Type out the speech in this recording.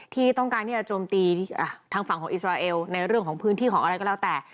ที่ต้องการที่จะโจมตีทางฝั่งของอิสราเอลในเรื่องของพื้นที่ของอะไรก็แล้วแต่